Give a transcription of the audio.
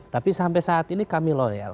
tapi sampai saat ini kami loyal